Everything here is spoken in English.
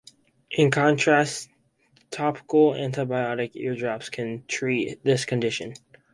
In contrast, topical antibiotic eardrops can treat this condition.